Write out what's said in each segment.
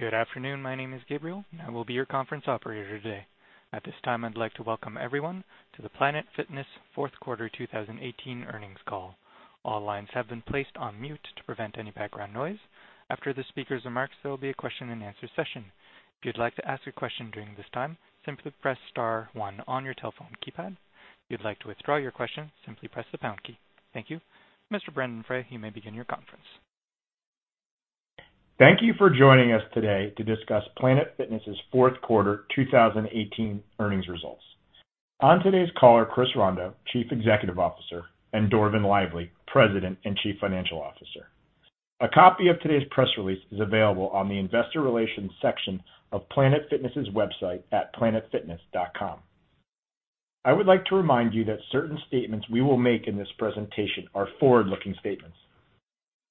Good afternoon. My name is Gabriel, and I will be your conference operator today. At this time, I'd like to welcome everyone to the Planet Fitness fourth quarter 2018 earnings call. All lines have been placed on mute to prevent any background noise. After the speaker's remarks, there will be a question and answer session. If you'd like to ask a question during this time, simply press star one on your telephone keypad. If you'd like to withdraw your question, simply press the pound key. Thank you. Mr. Brendon Frey, you may begin your conference. Thank you for joining us today to discuss Planet Fitness' fourth quarter 2018 earnings results. On today's call are Chris Rondeau, Chief Executive Officer, and Dorvin Lively, President and Chief Financial Officer. A copy of today's press release is available on the investor relations section of Planet Fitness' website at planetfitness.com. I would like to remind you that certain statements we will make in this presentation are forward-looking statements.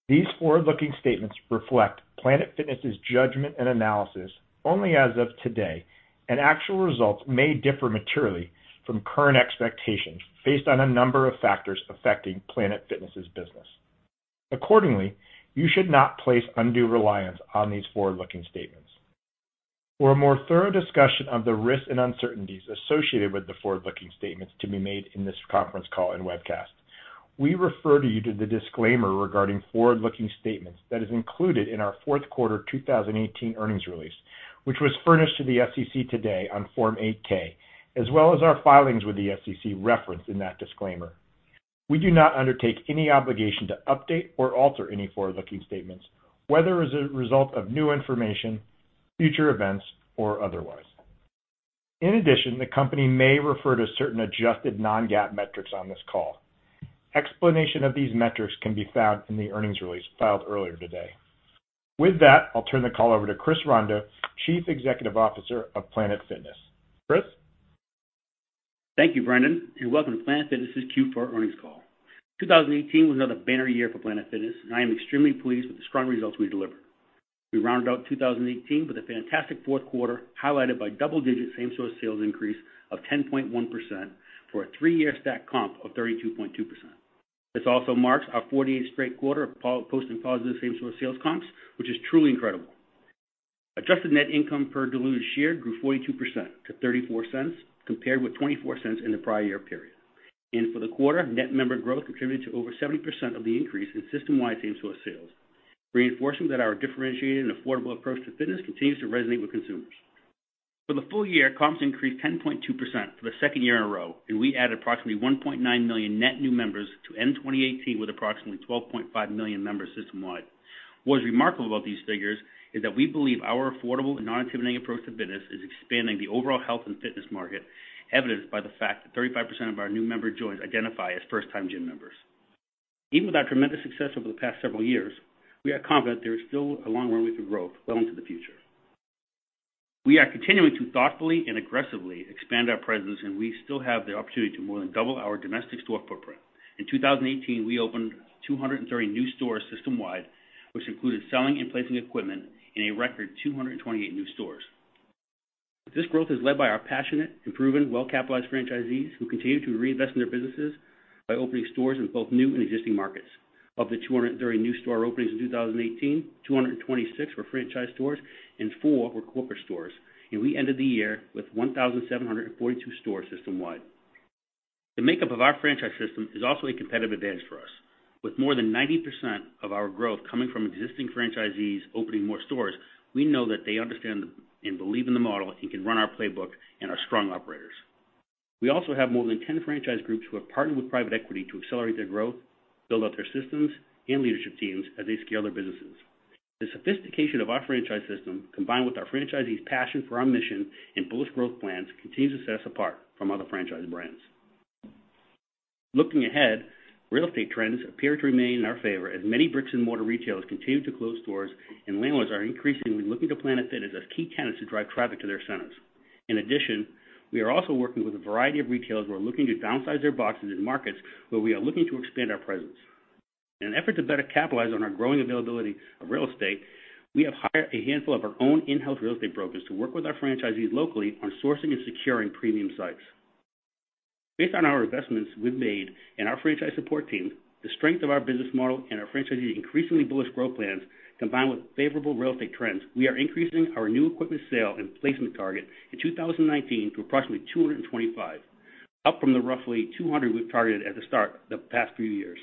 These forward-looking statements reflect Planet Fitness' judgment and analysis only as of today, and actual results may differ materially from current expectations based on a number of factors affecting Planet Fitness' business. Accordingly, you should not place undue reliance on these forward-looking statements. For a more thorough discussion of the risks and uncertainties associated with the forward-looking statements to be made in this conference call and webcast, we refer you to the disclaimer regarding forward-looking statements that is included in our fourth quarter 2018 earnings release, which was furnished to the SEC today on Form 8-K, as well as our filings with the SEC referenced in that disclaimer. We do not undertake any obligation to update or alter any forward-looking statements, whether as a result of new information, future events, or otherwise. In addition, the company may refer to certain adjusted non-GAAP metrics on this call. Explanation of these metrics can be found in the earnings release filed earlier today. With that, I'll turn the call over to Chris Rondeau, Chief Executive Officer of Planet Fitness. Chris? Thank you, Brendon, and welcome to Planet Fitness' Q4 earnings call. 2018 was another banner year for Planet Fitness, and I am extremely pleased with the strong results we delivered. We rounded out 2018 with a fantastic fourth quarter, highlighted by double-digit same-store sales increase of 10.1% for a three-year stacked comp of 32.2%. This also marks our 48th straight quarter of posting positive same-store sales comps, which is truly incredible. Adjusted net income per diluted share grew 42% to $0.34, compared with $0.24 in the prior year period. For the quarter, net member growth contributed to over 70% of the increase in system-wide same-store sales, reinforcing that our differentiated and affordable approach to fitness continues to resonate with consumers. For the full year, comps increased 10.2% for the second year in a row, and we added approximately 1.9 million net new members to end 2018 with approximately 12.5 million members system-wide. What is remarkable about these figures is that we believe our affordable and non-intimidating approach to fitness is expanding the overall health and fitness market, evidenced by the fact that 35% of our new member joins identify as first-time gym members. Even with our tremendous success over the past several years, we are confident there is still a long runway for growth well into the future. We are continuing to thoughtfully and aggressively expand our presence, and we still have the opportunity to more than double our domestic store footprint. In 2018, we opened 230 new stores system-wide, which included selling and placing equipment in a record 228 new stores. This growth is led by our passionate and proven well-capitalized franchisees who continue to reinvest in their businesses by opening stores in both new and existing markets. Of the 230 new store openings in 2018, 226 were franchise stores and 4 were corporate stores, and we ended the year with 1,742 stores system-wide. The makeup of our franchise system is also a competitive advantage for us. With more than 90% of our growth coming from existing franchisees opening more stores, we know that they understand and believe in the model and can run our playbook and are strong operators. We also have more than 10 franchise groups who have partnered with private equity to accelerate their growth, build out their systems, and leadership teams as they scale their businesses. The sophistication of our franchise system, combined with our franchisees' passion for our mission and bullish growth plans, continues to set us apart from other franchise brands. Looking ahead, real estate trends appear to remain in our favor as many bricks-and-mortar retailers continue to close stores and landlords are increasingly looking to Planet Fitness as key tenants to drive traffic to their centers. In addition, we are also working with a variety of retailers who are looking to downsize their boxes in markets where we are looking to expand our presence. In an effort to better capitalize on our growing availability of real estate, we have hired a handful of our own in-house real estate brokers to work with our franchisees locally on sourcing and securing premium sites. Based on our investments we've made in our franchise support team, the strength of our business model, and our franchisees' increasingly bullish growth plans, combined with favorable real estate trends, we are increasing our new equipment sale and placement target in 2019 to approximately 225, up from the roughly 200 we've targeted at the start the past few years.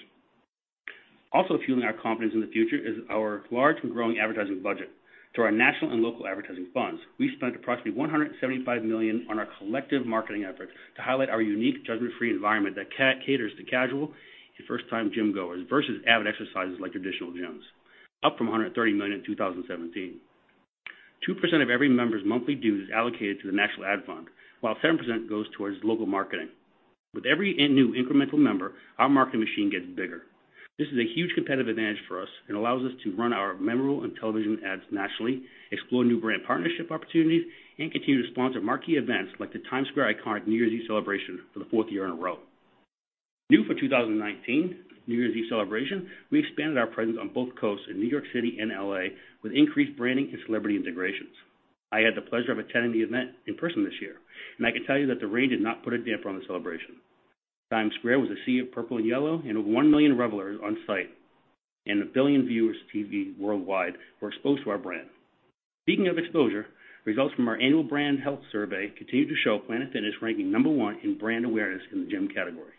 Also fueling our confidence in the future is our large and growing advertising budget. Through our national and local advertising funds, we spent approximately $175 million on our collective marketing efforts to highlight our unique judgment-free environment that caters to casual and first-time gym-goers versus avid exercisers like traditional gyms, up from $130 million in 2017. 2% of every member's monthly dues is allocated to the national ad fund, while 7% goes towards local marketing. With every new incremental member, our marketing machine gets bigger. This is a huge competitive advantage for us and allows us to run our memorable and television ads nationally, explore new brand partnership opportunities, and continue to sponsor marquee events like the Times Square iconic New Year's Eve celebration for the fourth year in a row. New for 2019 New Year's Eve celebration, we expanded our presence on both coasts in New York City and L.A. with increased branding and celebrity integration. I had the pleasure of attending the event in person this year, and I can tell you that the rain did not put a damper on the celebration. Times Square was a sea of purple and yellow, and over 1 million revelers on site, and 1 billion viewers TV worldwide were exposed to our brand. Speaking of exposure, results from our annual brand health survey continue to show Planet Fitness ranking number 1 in brand awareness in the gym category.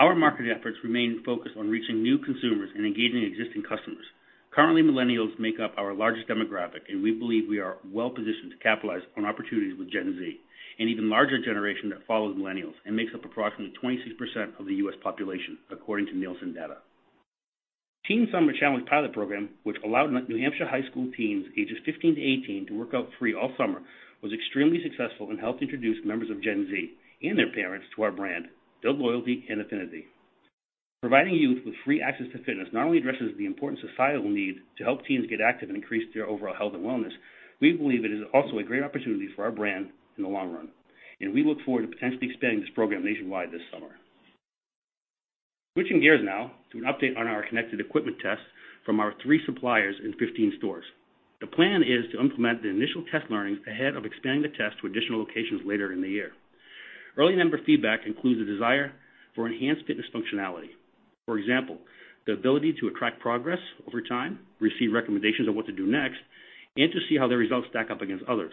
Our marketing efforts remain focused on reaching new consumers and engaging existing customers. Currently, millennials make up our largest demographic, and we believe we are well-positioned to capitalize on opportunities with Gen Z, an even larger generation that follows millennials and makes up approximately 26% of the U.S. population, according to Nielsen data. Teen Summer Challenge Pilot Program, which allowed New Hampshire high school teens ages 15 to 18 to work out free all summer, was extremely successful and helped introduce members of Gen Z and their parents to our brand, build loyalty and affinity. Providing youth with free access to fitness not only addresses the important societal need to help teens get active and increase their overall health and wellness, we believe it is also a great opportunity for our brand in the long run, and we look forward to potentially expanding this program nationwide this summer. Switching gears now to an update on our connected equipment tests from our three suppliers in 15 stores. The plan is to implement the initial test learnings ahead of expanding the test to additional locations later in the year. Early member feedback includes a desire for enhanced fitness functionality. For example, the ability to track progress over time, receive recommendations on what to do next, and to see how their results stack up against others.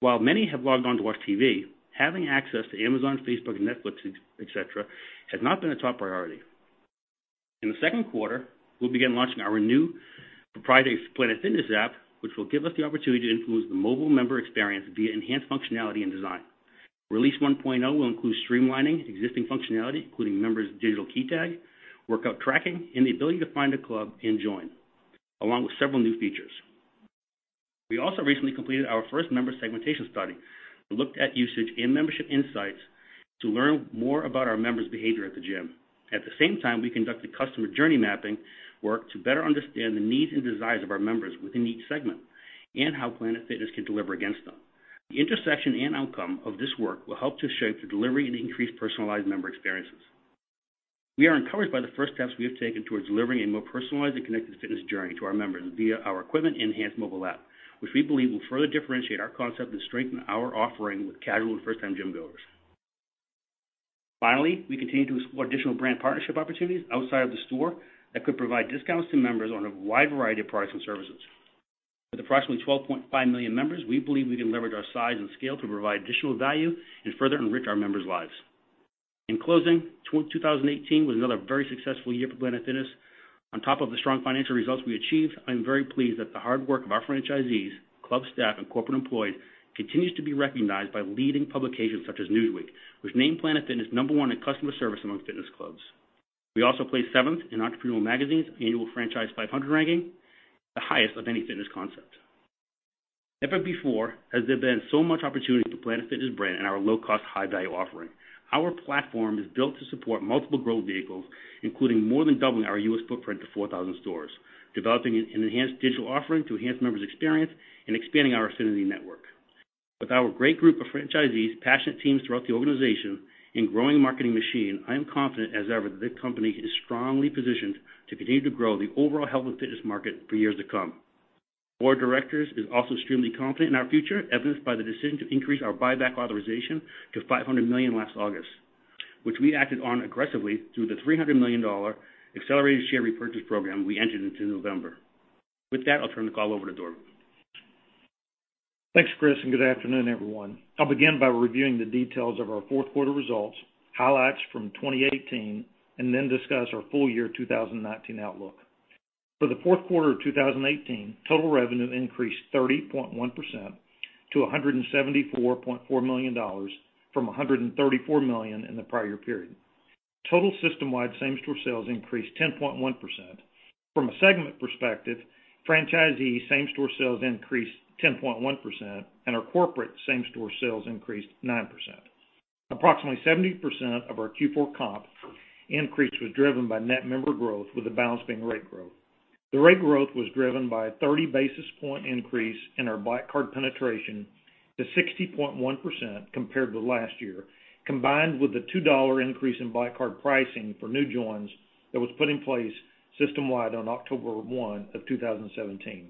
While many have logged on to watch TV, having access to Amazon, Facebook, Netflix, et cetera, has not been a top priority. In the second quarter, we'll begin launching our new proprietary Planet Fitness app, which will give us the opportunity to influence the mobile member experience via enhanced functionality and design. Release 1.0 will include streamlining existing functionality, including members' digital key tag, workout tracking, and the ability to find a club and join, along with several new features. We also recently completed our first member segmentation study that looked at usage and membership insights to learn more about our members' behavior at the gym. At the same time, we conducted customer journey mapping work to better understand the needs and desires of our members within each segment, and how Planet Fitness can deliver against them. The intersection and outcome of this work will help to shape the delivery and increased personalized member experiences. We are encouraged by the first steps we have taken towards delivering a more personalized and connected fitness journey to our members via our equipment enhanced mobile app, which we believe will further differentiate our concept and strengthen our offering with casual and first-time gym-goers. Finally, we continue to explore additional brand partnership opportunities outside of the store that could provide discounts to members on a wide variety of products and services. With approximately 12.5 million members, we believe we can leverage our size and scale to provide additional value and further enrich our members' lives. In closing, 2018 was another very successful year for Planet Fitness. On top of the strong financial results we achieved, I am very pleased that the hard work of our franchisees, club staff, and corporate employees continues to be recognized by leading publications such as Newsweek, which named Planet Fitness number one in customer service among fitness clubs. We also placed seventh in Entrepreneur Magazine's annual Franchise 500 ranking, the highest of any fitness concept. Never before has there been so much opportunity for Planet Fitness brand and our low-cost, high-value offering. Our platform is built to support multiple growth vehicles, including more than doubling our U.S. footprint to 4,000 stores, developing an enhanced digital offering to enhance members' experience, and expanding our affinity network. With our great group of franchisees, passionate teams throughout the organization, and growing marketing machine, I am confident as ever that this company is strongly positioned to continue to grow the overall health and fitness market for years to come. Board of directors is also extremely confident in our future, evidenced by the decision to increase our buyback authorization to $500 million last August, which we acted on aggressively through the $300 million accelerated share repurchase program we entered into November. With that, I'll turn the call over to Dave. Thanks, Chris, and good afternoon, everyone. I'll begin by reviewing the details of our fourth quarter results, highlights from 2018, and then discuss our full year 2019 outlook. For the fourth quarter of 2018, total revenue increased 30.1% to $174.4 million, from $134 million in the prior period. Total system-wide same-store sales increased 10.1%. From a segment perspective, franchisee same-store sales increased 10.1%, and our corporate same-store sales increased 9%. Approximately 70% of our Q4 comp increase was driven by net member growth, with the balance being rate growth. The rate growth was driven by a 30-basis-point increase in our PF Black Card penetration to 60.1% compared with last year, combined with a $2 increase in PF Black Card pricing for new joins that was put in place system-wide on October 1 of 2017.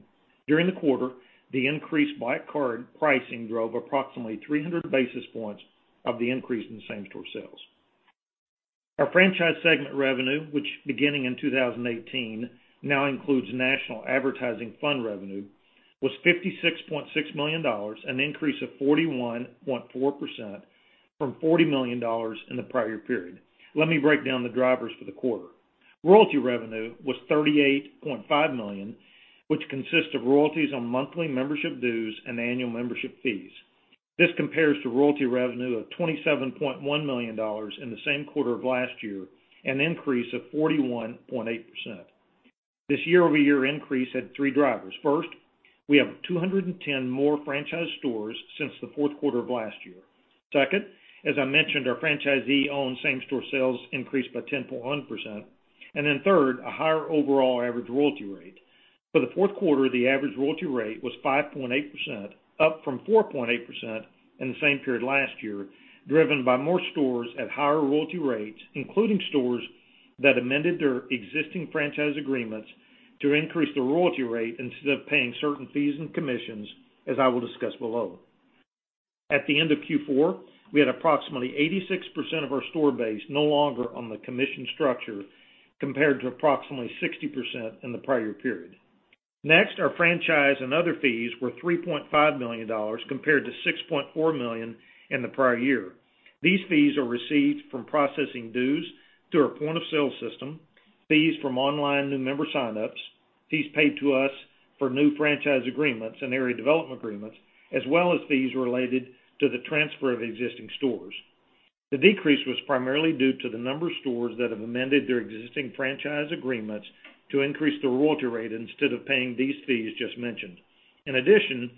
During the quarter, the increased PF Black Card pricing drove approximately 300 basis points of the increase in same-store sales. Our franchise segment revenue, which beginning in 2018 now includes National Advertising Fund revenue, was $56.6 million, an increase of 41.4% from $40 million in the prior period. Let me break down the drivers for the quarter. Royalty revenue was $38.5 million, which consists of royalties on monthly membership dues and annual membership fees. This compares to royalty revenue of $27.1 million in the same quarter of last year, an increase of 41.8%. This year-over-year increase had three drivers. First, we have 210 more franchise stores since the fourth quarter of last year. Second, as I mentioned, our franchisee-owned same-store sales increased by 10.1%. Third, a higher overall average royalty rate. For the fourth quarter, the average royalty rate was 5.8%, up from 4.8% in the same period last year, driven by more stores at higher royalty rates, including stores that amended their existing franchise agreements to increase the royalty rate instead of paying certain fees and commissions, as I will discuss below. At the end of Q4, we had approximately 86% of our store base no longer on the commission structure, compared to approximately 60% in the prior period. Our franchise and other fees were $3.5 million, compared to $6.4 million in the prior year. These fees are received from processing dues through our point-of-sale system, fees from online new member sign-ups, fees paid to us for new franchise agreements and area development agreements, as well as fees related to the transfer of existing stores. The decrease was primarily due to the number of stores that have amended their existing franchise agreements to increase the royalty rate instead of paying these fees just mentioned. In addition,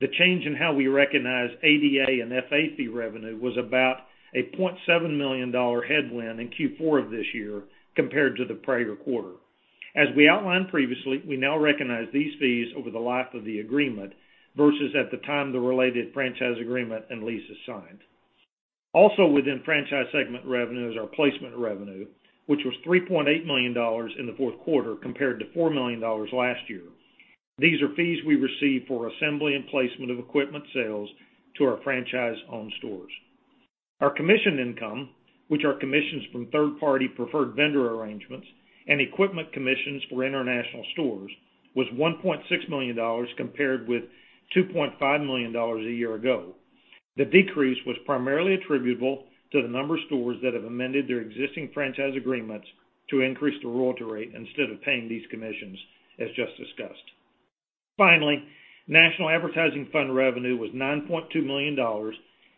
the change in how we recognize ADA and FA fee revenue was about a $0.7 million headwind in Q4 of this year compared to the prior quarter. As we outlined previously, we now recognize these fees over the life of the agreement versus at the time the related franchise agreement and lease is signed. Also within franchise segment revenue is our placement revenue, which was $3.8 million in the fourth quarter compared to $4 million last year. These are fees we receive for assembly and placement of equipment sales to our franchise-owned stores. Our commission income, which are commissions from third-party preferred vendor arrangements and equipment commissions for international stores, was $1.6 million, compared with $2.5 million a year ago. The decrease was primarily attributable to the number of stores that have amended their existing franchise agreements to increase the royalty rate instead of paying these commissions, as just discussed. National advertising fund revenue was $9.2 million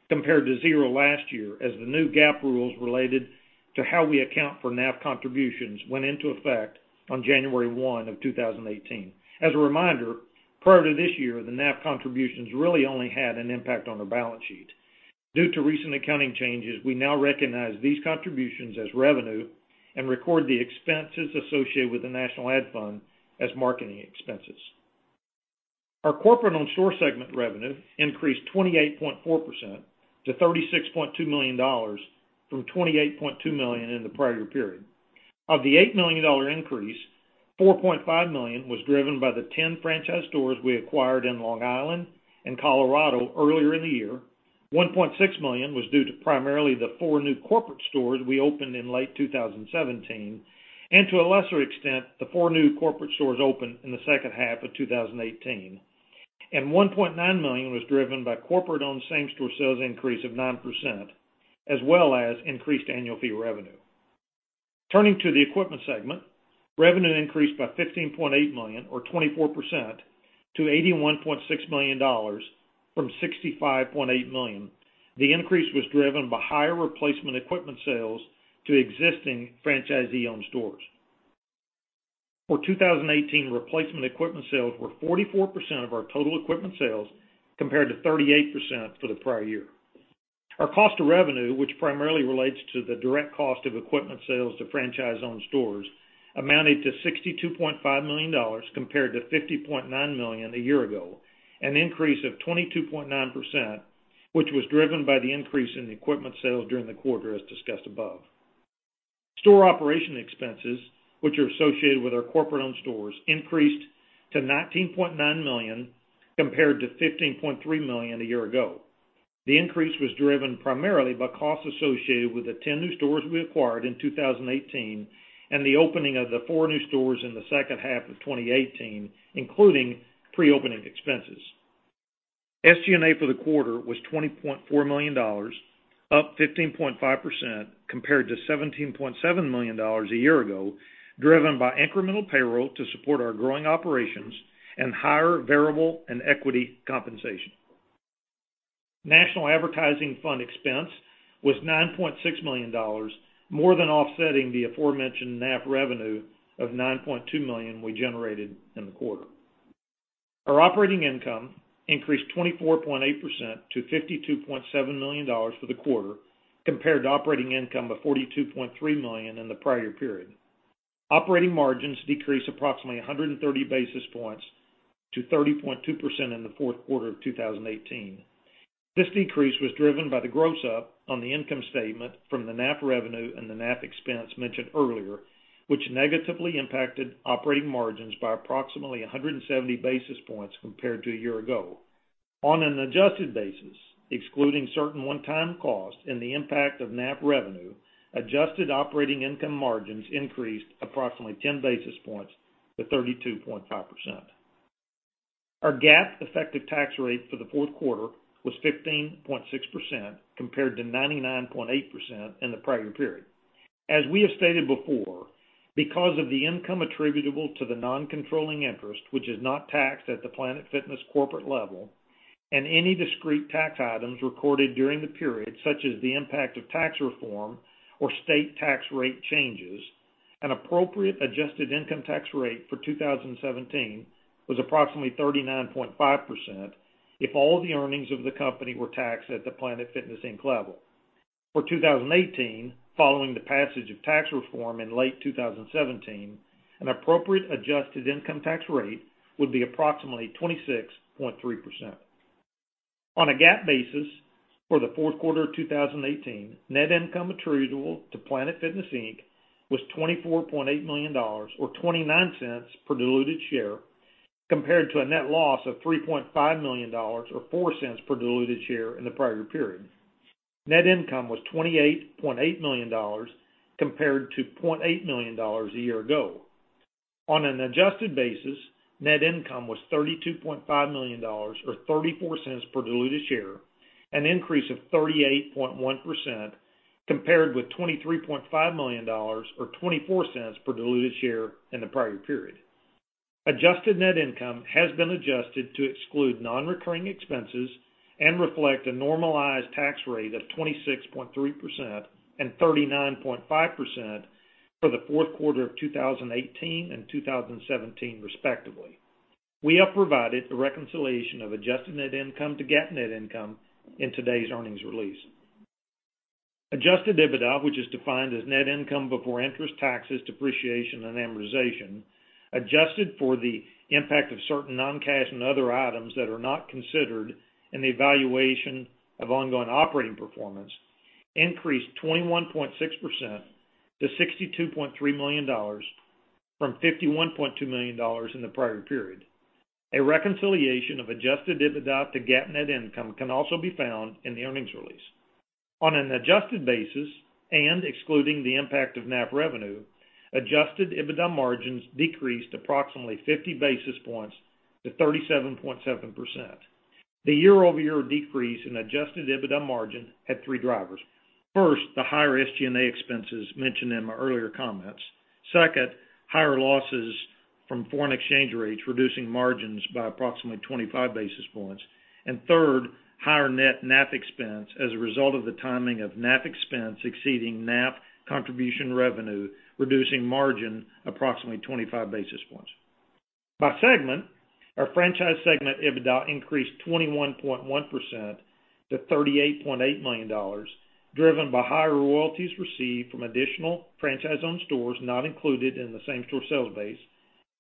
compared to zero last year as the new GAAP rules related to how we account for NAF contributions went into effect on January 1, 2018. As a reminder, prior to this year, the NAF contributions really only had an impact on the balance sheet. Due to recent accounting changes, we now recognize these contributions as revenue and record the expenses associated with the national ad fund as marketing expenses. Our corporate-owned store segment revenue increased 28.4% to $36.2 million from $28.2 million in the prior period. Of the $8 million increase, $4.5 million was driven by the 10 franchise stores we acquired in Long Island and Colorado earlier in the year. $1.6 million was due to primarily the four new corporate stores we opened in late 2017, and to a lesser extent, the four new corporate stores opened in the second half of 2018. $1.9 million was driven by corporate-owned same-store sales increase of 9%, as well as increased annual fee revenue. Turning to the equipment segment, revenue increased by $15.8 million or 24% to $81.6 million from $65.8 million. The increase was driven by higher replacement equipment sales to existing franchisee-owned stores. For 2018, replacement equipment sales were 44% of our total equipment sales compared to 38% for the prior year. Our cost of revenue, which primarily relates to the direct cost of equipment sales to franchise-owned stores, amounted to $62.5 million compared to $50.9 million a year ago, an increase of 22.9%, which was driven by the increase in equipment sales during the quarter as discussed above. Store operation expenses, which are associated with our corporate-owned stores, increased to $19.9 million compared to $15.3 million a year ago. The increase was driven primarily by costs associated with the 10 new stores we acquired in 2018 and the opening of the four new stores in the second half of 2018, including pre-opening expenses. SGA for the quarter was $20.4 million, up 15.5% compared to $17.7 million a year ago, driven by incremental payroll to support our growing operations and higher variable and equity compensation. National advertising fund expense was $9.6 million, more than offsetting the aforementioned NAF revenue of $9.2 million we generated in the quarter. Our operating income increased 24.8% to $52.7 million for the quarter, compared to operating income of $42.3 million in the prior period. Operating margins decreased approximately 130 basis points to 30.2% in the fourth quarter of 2018. This decrease was driven by the gross-up on the income statement from the NAF revenue and the NAF expense mentioned earlier, which negatively impacted operating margins by approximately 170 basis points compared to a year ago. On an adjusted basis, excluding certain one-time costs and the impact of NAF revenue, adjusted operating income margins increased approximately 10 basis points to 32.5%. Our GAAP effective tax rate for the fourth quarter was 15.6% compared to 99.8% in the prior period. As we have stated before, because of the income attributable to the non-controlling interest, which is not taxed at the Planet Fitness corporate level, and any discrete tax items recorded during the period, such as the impact of tax reform or state tax rate changes, an appropriate adjusted income tax rate for 2017 was approximately 39.5% if all the earnings of the company were taxed at the Planet Fitness Inc. level. For 2018, following the passage of tax reform in late 2017, an appropriate adjusted income tax rate would be approximately 26.3%. On a GAAP basis for the fourth quarter of 2018, net income attributable to Planet Fitness Inc. was $24.8 million, or $0.29 per diluted share, compared to a net loss of $3.5 million or $0.04 per diluted share in the prior period. Net income was $28.8 million compared to $0.8 million a year ago. On an adjusted basis, net income was $32.5 million or $0.34 per diluted share, an increase of 38.1% compared with $23.5 million or $0.24 per diluted share in the prior period. Adjusted net income has been adjusted to exclude non-recurring expenses and reflect a normalized tax rate of 26.3% and 39.5% for the fourth quarter of 2018 and 2017, respectively. We have provided a reconciliation of adjusted net income to GAAP net income in today's earnings release. Adjusted EBITDA, which is defined as net income before interest, taxes, depreciation, and amortization, adjusted for the impact of certain non-cash and other items that are not considered in the evaluation of ongoing operating performance, increased 21.6% to $62.3 million from $51.2 million in the prior period. A reconciliation of adjusted EBITDA to GAAP net income can also be found in the earnings release. On an adjusted basis and excluding the impact of NAF revenue, adjusted EBITDA margins decreased approximately 50 basis points to 37.7%. The year-over-year decrease in adjusted EBITDA margin had three drivers. First, the higher SG&A expenses mentioned in my earlier comments. Second, higher losses from foreign exchange rates, reducing margins by approximately 25 basis points. Third, higher net NAF expense as a result of the timing of NAF expense exceeding NAF contribution revenue, reducing margin approximately 25 basis points. By segment, our franchise segment EBITDA increased 21.1% to $38.8 million, driven by higher royalties received from additional franchise-owned stores not included in the same-store sales base,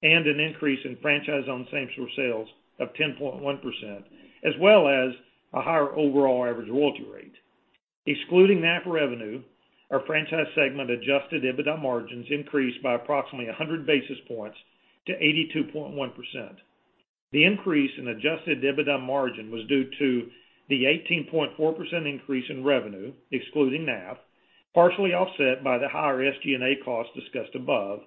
and an increase in franchise-owned same-store sales of 10.1%, as well as a higher overall average royalty rate. Excluding NAF revenue, our franchise segment adjusted EBITDA margins increased by approximately 100 basis points to 82.1%. The increase in adjusted EBITDA margin was due to the 18.4% increase in revenue, excluding NAF, partially offset by the higher SG&A costs discussed above,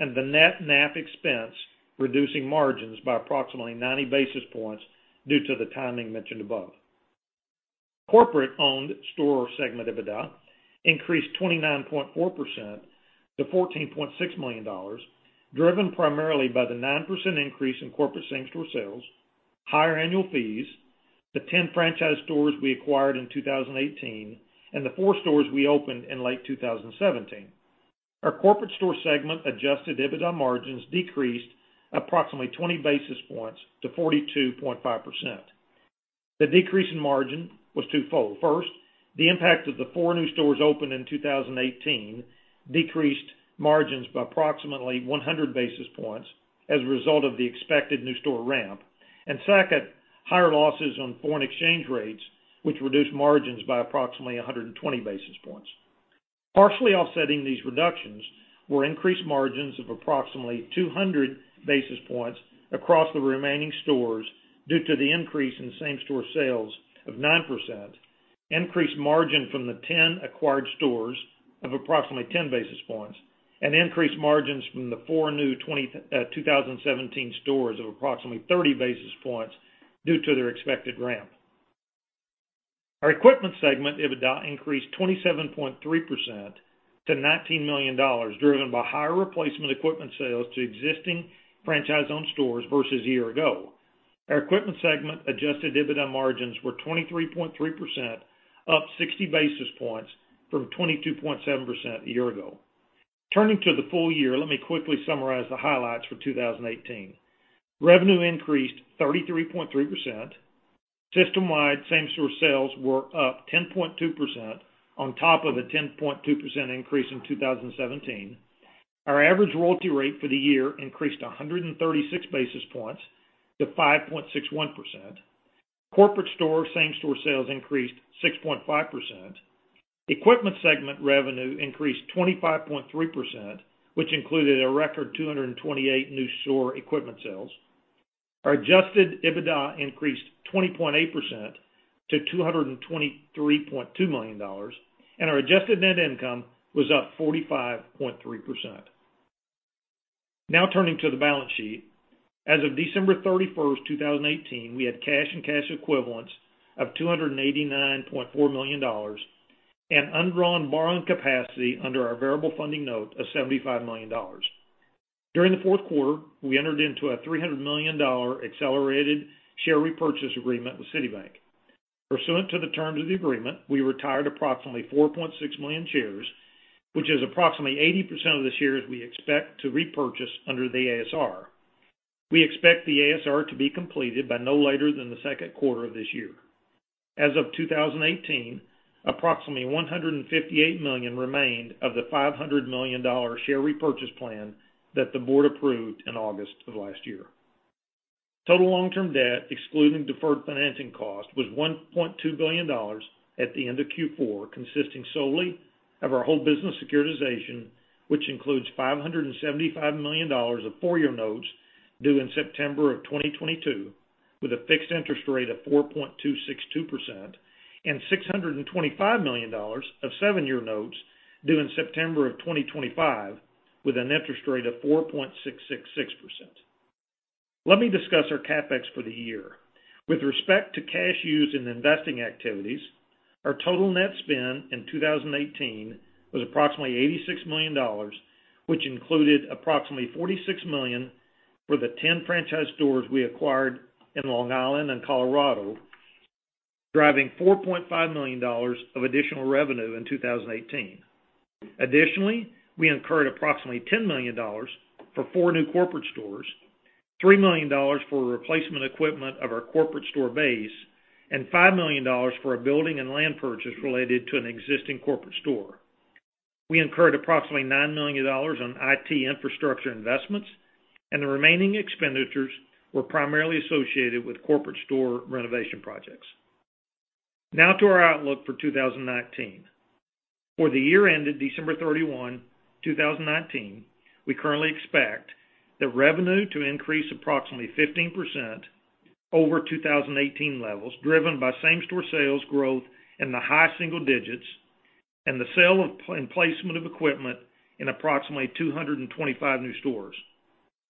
and the net NAF expense reducing margins by approximately 90 basis points due to the timing mentioned above. Corporate-owned store segment EBITDA increased 29.4% to $14.6 million, driven primarily by the 9% increase in corporate same-store sales, higher annual fees, the 10 franchise stores we acquired in 2018, and the four stores we opened in late 2017. Our corporate store segment adjusted EBITDA margins decreased approximately 20 basis points to 42.5%. The decrease in margin was twofold. First, the impact of the four new stores opened in 2018 decreased margins by approximately 100 basis points as a result of the expected new store ramp. Second, higher losses on foreign exchange rates, which reduced margins by approximately 120 basis points. Partially offsetting these reductions were increased margins of approximately 200 basis points across the remaining stores due to the increase in same-store sales of 9%, increased margin from the 10 acquired stores of approximately 10 basis points, and increased margins from the four new 2017 stores of approximately 30 basis points due to their expected ramp. Our equipment segment EBITDA increased 27.3% to $19 million, driven by higher replacement equipment sales to existing franchise-owned stores versus year ago. Our equipment segment adjusted EBITDA margins were 23.3%, up 60 basis points from 22.7% a year ago. Turning to the full year, let me quickly summarize the highlights for 2018. Revenue increased 33.3%. Systemwide same-store sales were up 10.2% on top of a 10.2% increase in 2017. Our average royalty rate for the year increased 136 basis points to 5.61%. Corporate store same-store sales increased 6.5%. Equipment segment revenue increased 25.3%, which included a record 228 new store equipment sales. Our adjusted EBITDA increased 20.8% to $223.2 million, and our adjusted net income was up 45.3%. Turning to the balance sheet. As of December 31st, 2018, we had cash and cash equivalents of $289.4 million and undrawn borrowing capacity under our variable funding note of $75 million. During the fourth quarter, we entered into a $300 million accelerated share repurchase agreement with Citibank. Pursuant to the terms of the agreement, we retired approximately 4.6 million shares, which is approximately 80% of the shares we expect to repurchase under the ASR. We expect the ASR to be completed by no later than the second quarter of this year. As of 2018, approximately $158 million remained of the $500 million share repurchase plan that the board approved in August of last year. Total long-term debt, excluding deferred financing cost, was $1.2 billion at the end of Q4, consisting solely of our whole business securitization, which includes $575 million of four-year notes due in September of 2022, with a fixed interest rate of 4.262%, and $625 million of seven-year notes due in September of 2025, with an interest rate of 4.666%. Let me discuss our CapEx for the year. With respect to cash used in investing activities, our total net spend in 2018 was approximately $86 million, which included approximately $46 million for the 10 franchise stores we acquired in Long Island and Colorado, driving $4.5 million of additional revenue in 2018. We incurred approximately $10 million for four new corporate stores, $3 million for replacement equipment of our corporate store base, and $5 million for a building and land purchase related to an existing corporate store. We incurred approximately $9 million on IT infrastructure investments, and the remaining expenditures were primarily associated with corporate store renovation projects. To our outlook for 2019. For the year ended December 31, 2019, we currently expect the revenue to increase approximately 15% over 2018 levels, driven by same-store sales growth in the high single digits and the sale and placement of equipment in approximately 225 new stores.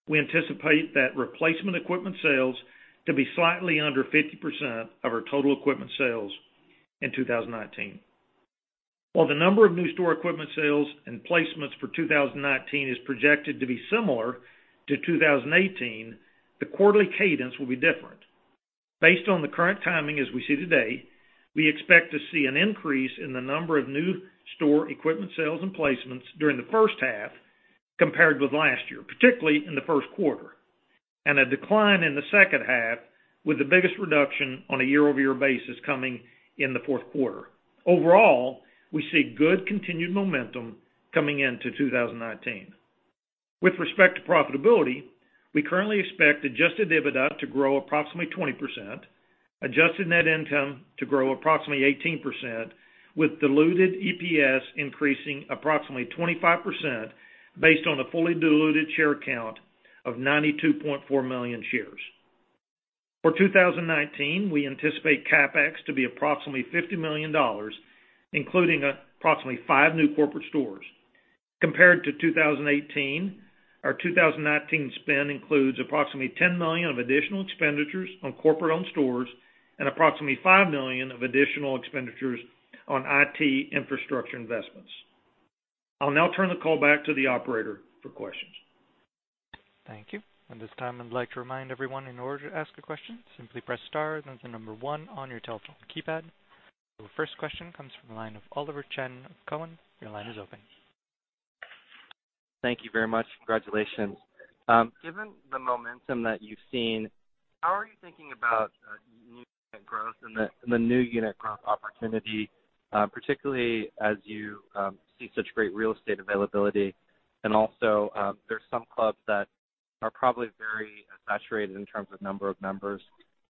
We anticipate that replacement equipment sales to be slightly under 50% of our total equipment sales in 2019. While the number of new store equipment sales and placements for 2019 is projected to be similar to 2018, the quarterly cadence will be different. Based on the current timing as we see today, we expect to see an increase in the number of new store equipment sales and placements during the first half compared with last year, particularly in the first quarter, and a decline in the second half, with the biggest reduction on a year-over-year basis coming in the fourth quarter. We see good continued momentum coming into 2019. With respect to profitability, we currently expect adjusted EBITDA to grow approximately 20%, adjusted net income to grow approximately 18%, with diluted EPS increasing approximately 25% based on the fully diluted share count of 92.4 million shares. For 2019, we anticipate CapEx to be approximately $50 million, including approximately five new corporate stores. Compared to 2018, our 2019 spend includes approximately $10 million of additional expenditures on corporate-owned stores and approximately $5 million of additional expenditures on IT infrastructure investments. I'll now turn the call back to the operator for questions. Thank you. At this time, I'd like to remind everyone, in order to ask a question, simply press star, then the number one on your telephone keypad. The first question comes from the line of Oliver Chen of Cowen. Your line is open. Thank you very much. Congratulations. Given the momentum that you've seen, how are you thinking about new unit growth and the new unit growth opportunity, particularly as you see such great real estate availability? Also, there's some clubs that are probably very saturated in terms of number of members.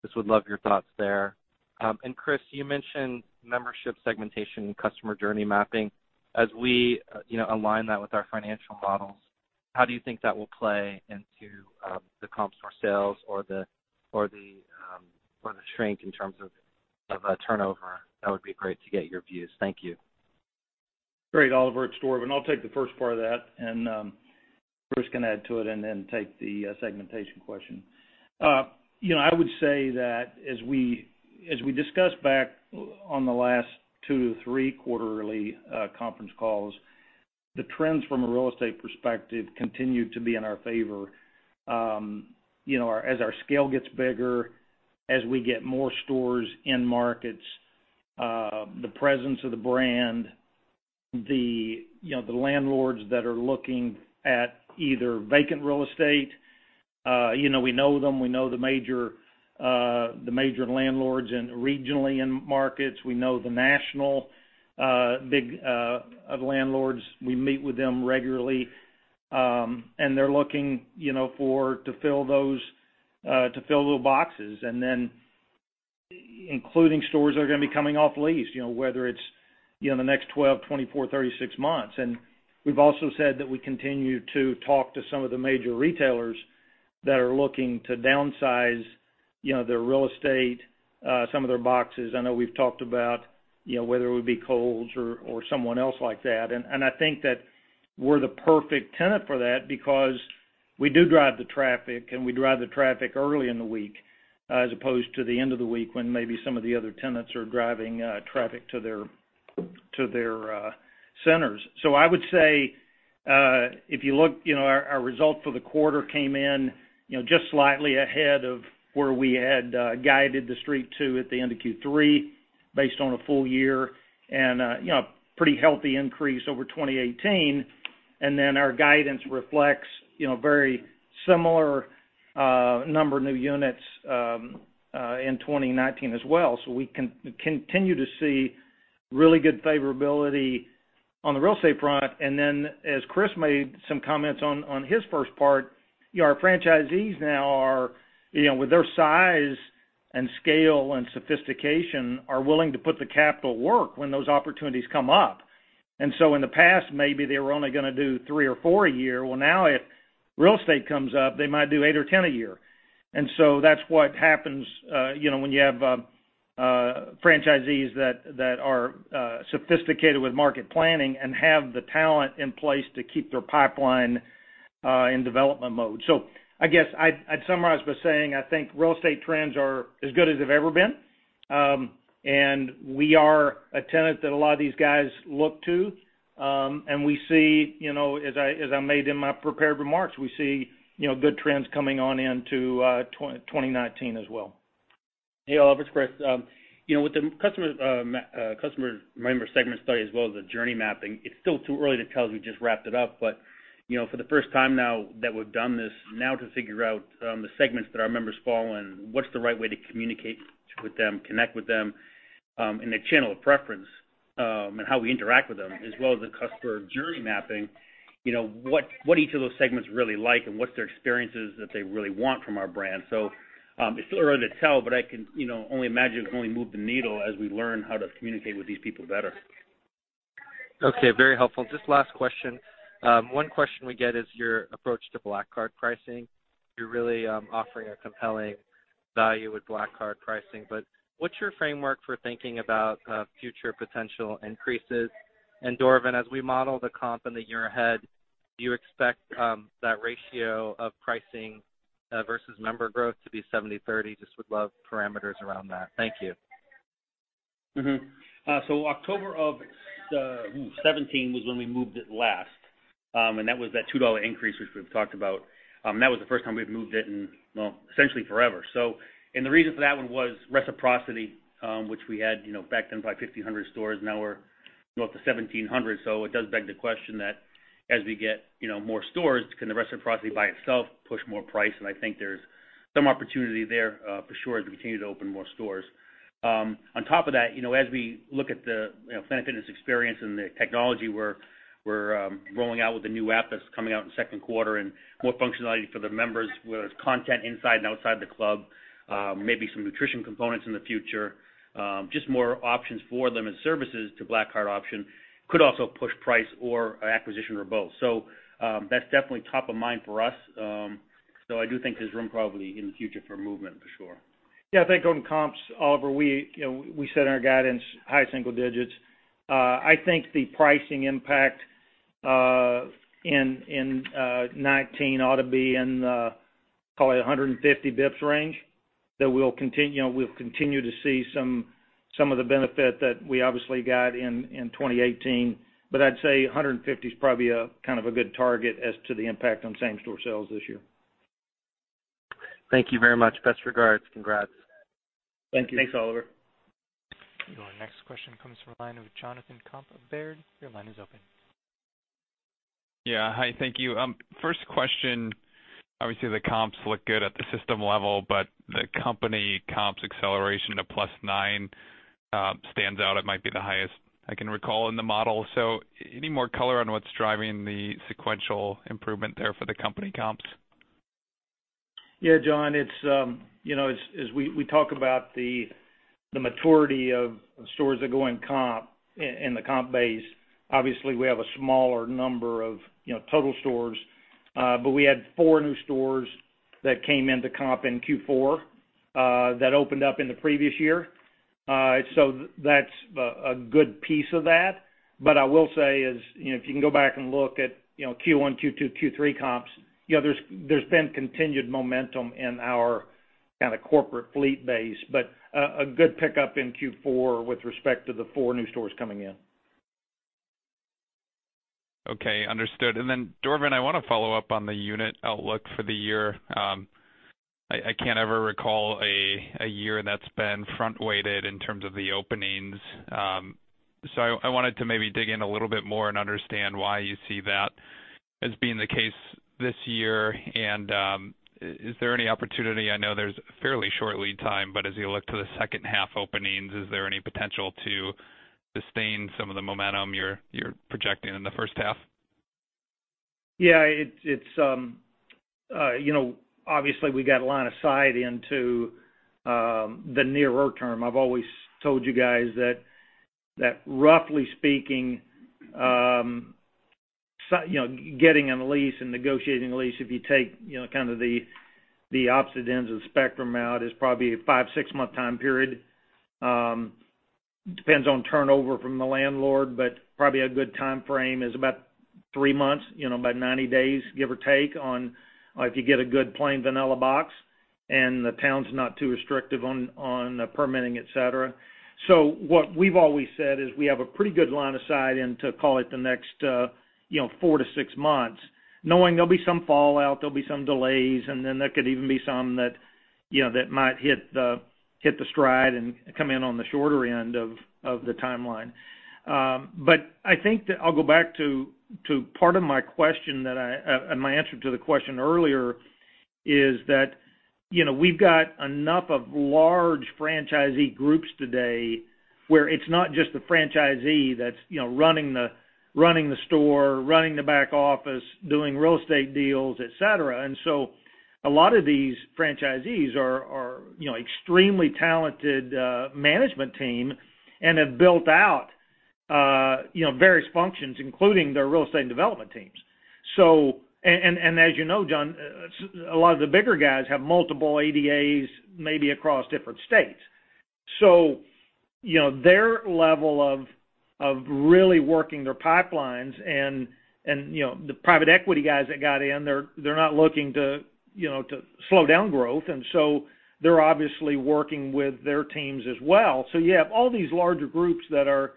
Just would love your thoughts there. Chris, you mentioned membership segmentation and customer journey mapping. As we align that with our financial models, how do you think that will play into the comp store sales or the shrink in terms of turnover? That would be great to get your views. Thank you. Great, Oliver. It's Dorvin. I'll take the first part of that, Chris can add to it and then take the segmentation question. I would say that as we discussed back on the last two to three quarterly conference calls, the trends from a real estate perspective continue to be in our favor. As our scale gets bigger, as we get more stores in markets, the presence of the brand, the landlords that are looking at either vacant real estate, we know them, we know the major landlords regionally in markets. We know the national big landlords. We meet with them regularly, and they're looking to fill little boxes. Then including stores that are going to be coming off lease, whether it's the next 12, 24, 36 months. We've also said that we continue to talk to some of the major retailers that are looking to downsize their real estate, some of their boxes. I know we've talked about whether it would be Kohl's or someone else like that. I think that we're the perfect tenant for that because we do drive the traffic, and we drive the traffic early in the week as opposed to the end of the week when maybe some of the other tenants are driving traffic to their centers. I would say, if you look, our results for the quarter came in just slightly ahead of where we had guided the Street to at the end of Q3 based on a full year, and a pretty healthy increase over 2018. Our guidance reflects very similar number of new units in 2019 as well. We continue to see really good favorability on the real estate front. As Chris made some comments on his first part, our franchisees now are, with their size and scale and sophistication, are willing to put the capital work when those opportunities come up. In the past, maybe they were only going to do three or four a year. Well, now if real estate comes up, they might do eight or 10 a year. That's what happens when you have franchisees that are sophisticated with market planning and have the talent in place to keep their pipeline in development mode. I guess I'd summarize by saying, I think real estate trends are as good as they've ever been. We are a tenant that a lot of these guys look to. We see, as I made in my prepared remarks, we see good trends coming on into 2019 as well. Hey, Oliver, it's Chris. With the customer member segment study as well as the journey mapping, it's still too early to tell as we just wrapped it up. For the first time now that we've done this, now to figure out the segments that our members fall in, what's the right way to communicate with them, connect with them, and the channel of preference, and how we interact with them, as well as the customer journey mapping. What each of those segments really like, and what's their experiences that they really want from our brand. It's still early to tell, but I can only imagine it can only move the needle as we learn how to communicate with these people better. Okay. Very helpful. Just last question. One question we get is your approach to PF Black Card pricing. You're really offering a compelling value with PF Black Card pricing, what's your framework for thinking about future potential increases? Dorvin, as we model the comp in the year ahead, do you expect that ratio of pricing versus member growth to be 70/30? Just would love parameters around that. Thank you. October of 2017 was when we moved it last. That was that $2 increase, which we've talked about. That was the first time we've moved it in, well, essentially forever. The reason for that one was reciprocity, which we had back then probably 1,500 stores, now we're close to 1,700. It does beg the question that as we get more stores, can the reciprocity by itself push more price? I think there's some opportunity there, for sure, as we continue to open more stores. On top of that, as we look at the Planet Fitness experience and the technology we're rolling out with the new app that's coming out in second quarter and more functionality for the members, whether it's content inside and outside the club, maybe some nutrition components in the future. Just more options for them as services to PF Black Card option could also push price or acquisition or both. That's definitely top of mind for us. I do think there's room probably in the future for movement, for sure. Yeah, I think on comps, Oliver, we set our guidance high single digits. I think the pricing impact in 2019 ought to be in the, call it, 150 basis points range, that we'll continue to see some of the benefit that we obviously got in 2018. I'd say 150 is probably a good target as to the impact on same store sales this year. Thank you very much. Best regards. Congrats. Thank you. Thanks, Oliver. Your next question comes from the line of Jonathan Komp of Baird. Your line is open. Yeah. Hi, thank you. First question. Obviously, the comps look good at the system level. The company comps acceleration to +9 stands out. It might be the highest I can recall in the model. Any more color on what's driving the sequential improvement there for the company comps? Yeah, John, as we talk about the maturity of stores that go in comp, in the comp base, obviously we have a smaller number of total stores. We had four new stores that came into comp in Q4, that opened up in the previous year. That's a good piece of that. I will say is, if you can go back and look at Q1, Q2, Q3 comps, there's been continued momentum in our kind of corporate fleet base, but a good pickup in Q4 with respect to the four new stores coming in. Okay. Understood. Dorvin, I want to follow up on the unit outlook for the year. I can't ever recall a year that's been front-weighted in terms of the openings. I wanted to maybe dig in a little bit more and understand why you see that as being the case this year. Is there any opportunity, I know there's fairly short lead time, but as you look to the second half openings, is there any potential to sustain some of the momentum you're projecting in the first half? Yeah. Obviously, we got line of sight into the nearer term. I've always told you guys that roughly speaking, getting on a lease and negotiating a lease, if you take kind of the opposite ends of the spectrum out, is probably a five, six-month time period. Depends on turnover from the landlord, but probably a good timeframe is about three months, about 90 days, give or take, if you get a good plain vanilla box and the town's not too restrictive on the permitting, et cetera. What we've always said is we have a pretty good line of sight into, call it, the next four to six months, knowing there'll be some fallout, there'll be some delays, and then there could even be some that might hit the stride and come in on the shorter end of the timeline. I think that I'll go back to part of my answer to the question earlier, is that we've got enough of large franchisee groups today where it's not just the franchisee that's running the store, running the back office, doing real estate deals, et cetera. A lot of these franchisees are extremely talented management team and have built out various functions, including their real estate and development teams. As you know, John, a lot of the bigger guys have multiple ADAs, maybe across different states. Their level of really working their pipelines and the private equity guys that got in, they're not looking to slow down growth. They're obviously working with their teams as well. You have all these larger groups that are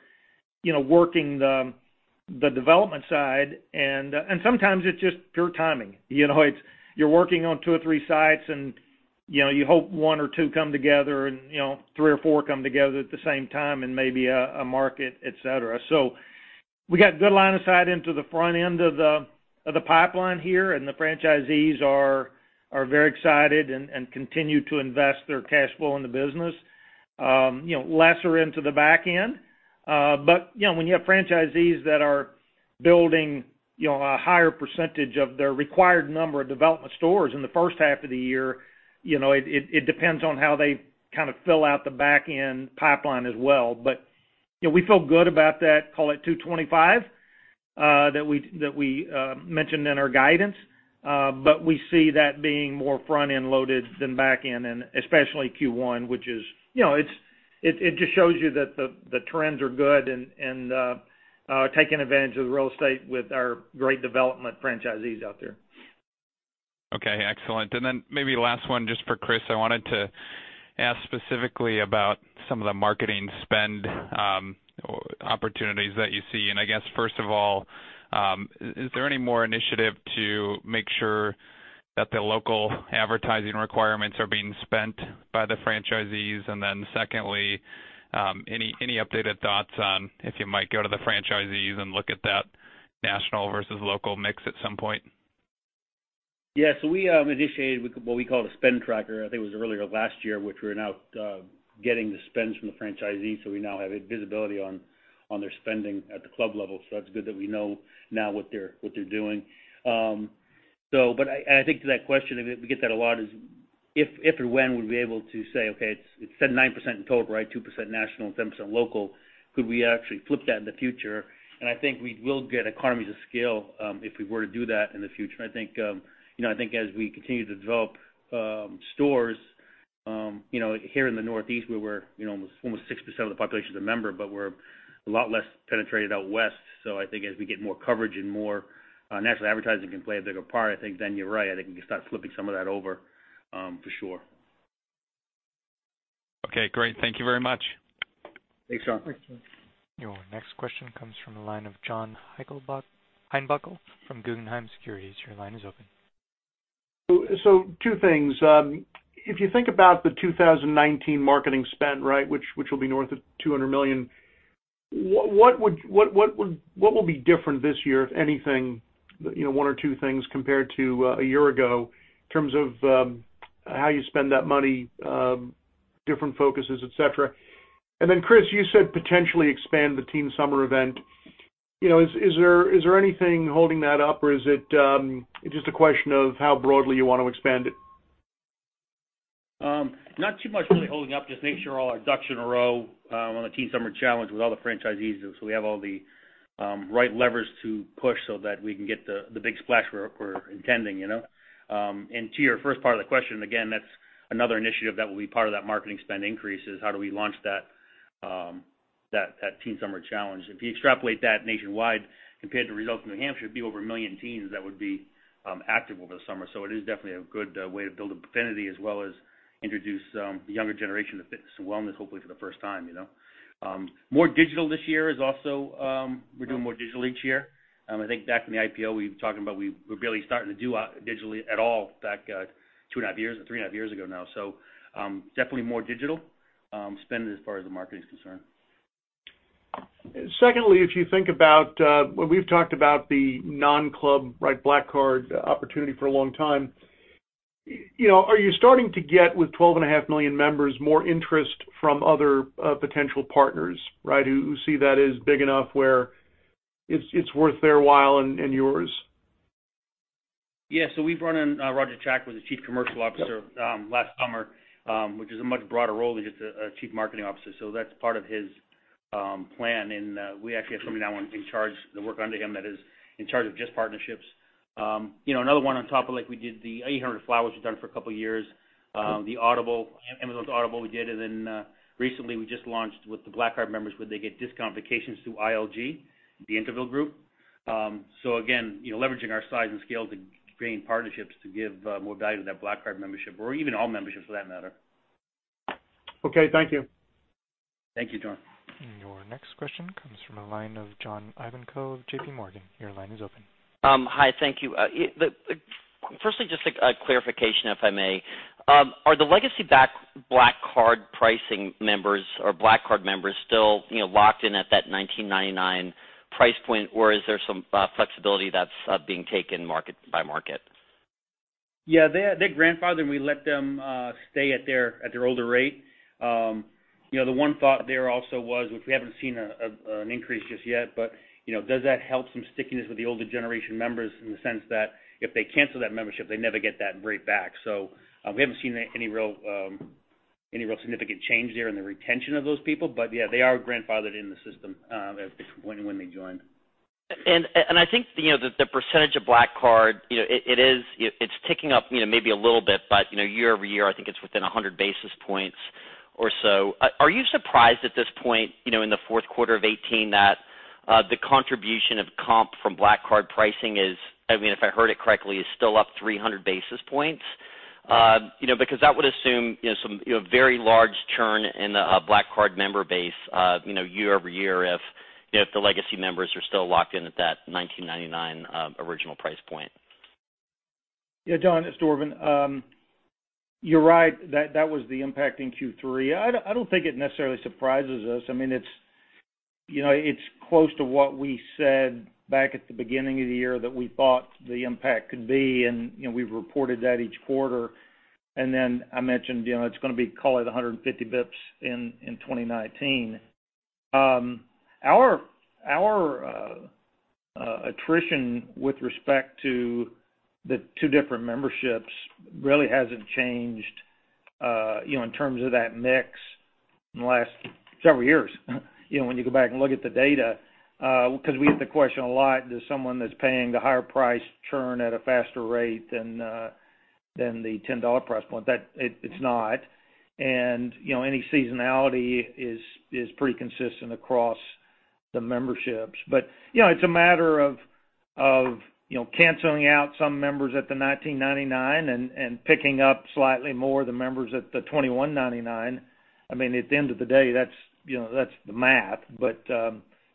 working the development side, and sometimes it's just pure timing. You're working on two or three sites, and you hope one or two come together and three or four come together at the same time in maybe a market, et cetera. We got good line of sight into the front end of the pipeline here, and the franchisees are very excited and continue to invest their cash flow in the business. Lesser into the back end. When you have franchisees that are building a higher percentage of their required number of development stores in the first half of the year, it depends on how they fill out the back end pipeline as well. We feel good about that, call it 225, that we mentioned in our guidance. We see that being more front end loaded than back end and especially Q1, it just shows you that the trends are good and are taking advantage of the real estate with our great development franchisees out there. Okay, excellent. Maybe last one just for Chris, I wanted to ask specifically about some of the marketing spend opportunities that you see. I guess, first of all, is there any more initiative to make sure that the local advertising requirements are being spent by the franchisees? Secondly, any updated thoughts on if you might go to the franchisees and look at that national versus local mix at some point? Yeah. We initiated what we call the spend tracker, I think it was earlier last year, which we're now getting the spends from the franchisees, so we now have visibility on their spending at the club level. That's good that we know now what they're doing. I think to that question, we get that a lot, is if or when we'll be able to say, okay, it said 9% in total, 2% national, 7% local, could we actually flip that in the future? I think we will get economies of scale, if we were to do that in the future. I think as we continue to develop stores here in the Northeast where almost 6% of the population's a member, but we're a lot less penetrated out west. I think as we get more coverage and more national advertising can play a bigger part, I think you're right. I think we can start flipping some of that over, for sure. Okay, great. Thank you very much. Thanks, John. Thanks, John. Your next question comes from the line of John Heinbockel from Guggenheim Securities. Your line is open. Two things. If you think about the 2019 marketing spend, which will be north of $200 million, what will be different this year, if anything, one or two things compared to a year ago in terms of how you spend that money, different focuses, et cetera? Chris, you said potentially expand the Teen Summer Event. Is there anything holding that up or is it just a question of how broadly you want to expand it? Not too much really holding up, just making sure all our ducks in a row on the Teen Summer Challenge with all the franchisees. We have all the right levers to push so that we can get the big splash we're intending. To your first part of the question, again, that's another initiative that will be part of that marketing spend increase is how do we launch that Teen Summer Challenge. If you extrapolate that nationwide compared to results in New Hampshire, it'd be over 1 million teens that would be active over the summer. It is definitely a good way to build affinity as well as introduce the younger generation to fitness and wellness, hopefully for the first time. More digital this year is also, we're doing more digital each year. I think back in the IPO, we were talking about we were barely starting to do digitally at all back two and a half years, or three and a half years ago now. Definitely more digital spend as far as the marketing is concerned. Secondly, if you think about, we've talked about the non-club Black Card opportunity for a long time. Are you starting to get, with 12.5 million members, more interest from other potential partners who see that as big enough where it's worth their while and yours? We've brought on Roger Chacko as the Chief Commercial Officer last summer, which is a much broader role than just a Chief Marketing Officer. That's part of his plan. We actually have someone now in charge, that work under him that is in charge of just partnerships. Another one on top of like we did the 800 Flowers, which we've done for a couple of years. The Audible, Amazon's Audible, we did. Then, recently we just launched with the Black Card members where they get discount vacations through ILG, the Interval Group. Again, leveraging our size and scale to gain partnerships to give more value to that Black Card membership or even all memberships for that matter. Okay, thank you. Thank you, John. Your next question comes from the line of John Ivankoe of JPMorgan. Your line is open. Hi, thank you. Firstly, just a clarification, if I may. Are the legacy Black Card pricing members or Black Card members still locked in at that $19.99 price point or is there some flexibility that's being taken market by market? Yeah. They grandfather, and we let them stay at their older rate. The one thought there also was, which we haven't seen an increase just yet, but does that help some stickiness with the older generation members in the sense that if they cancel that membership, they never get that rate back. So, we haven't seen any real significant change there in the retention of those people. But yeah, they are grandfathered in the system, when they joined. I think the percentage of Black Card, it's ticking up maybe a little bit, but year-over-year, I think it's within 100 basis points or so. Are you surprised at this point in the fourth quarter of 2018 that the contribution of comp from Black Card pricing is, if I heard it correctly, is still up 300 basis points? Because that would assume some very large churn in the Black Card member base year-over-year, if the legacy members are still locked in at that $19.99 original price point. Yeah, John, it's Dorvin. You're right, that was the impact in Q3. I don't think it necessarily surprises us. It's close to what we said back at the beginning of the year that we thought the impact could be, and we've reported that each quarter. I mentioned it's going to be, call it 150 basis points in 2019. Our attrition with respect to the two different memberships really hasn't changed in terms of that mix in the last several years, when you go back and look at the data. We get the question a lot. Does someone that's paying the higher price churn at a faster rate than the $10 price point? It's not. Any seasonality is pretty consistent across the memberships. It's a matter of canceling out some members at the $19.99 and picking up slightly more of the members at the $21.99. At the end of the day, that's the math.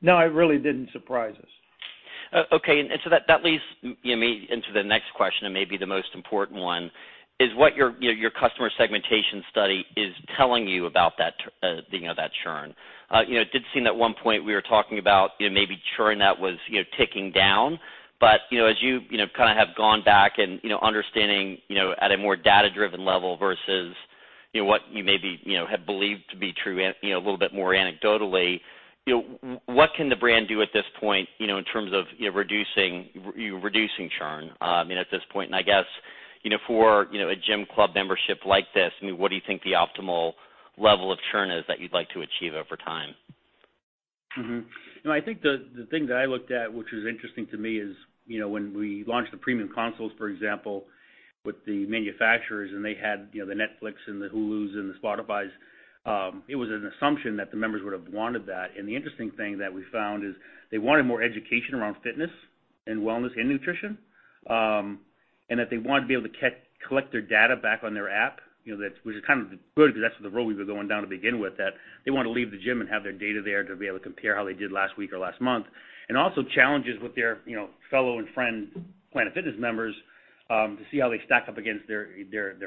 No, it really didn't surprise us. Okay. That leads me into the next question and maybe the most important one, is what your customer segmentation study is telling you about that churn. It did seem that one point we were talking about maybe churn that was ticking down. As you have gone back and understanding at a more data-driven level versus what you maybe have believed to be true a little bit more anecdotally, what can the brand do at this point in terms of reducing churn at this point? I guess, for a gym club membership like this, what do you think the optimal level of churn is that you'd like to achieve over time? I think the thing that I looked at, which was interesting to me, is when we launched the premium consoles, for example, with the manufacturers, and they had the Netflix and the Hulu and the Spotify, it was an assumption that the members would have wanted that. The interesting thing that we found is they wanted more education around fitness and wellness and nutrition, and that they wanted to be able to collect their data back on their app, which is kind of good because that's the road we were going down to begin with, that they want to leave the gym and have their data there to be able to compare how they did last week or last month, also challenges with their fellow and friend Planet Fitness members, to see how they stack up against their